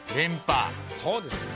そうですよ。